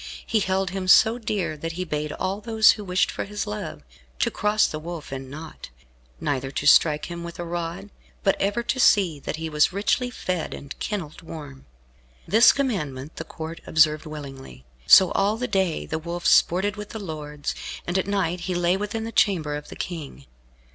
He held him so dear, that he bade all those who wished for his love, to cross the Wolf in naught, neither to strike him with a rod, but ever to see that he was richly fed and kennelled warm. This commandment the Court observed willingly. So all the day the Wolf sported with the lords, and at night he lay within the chamber of the King.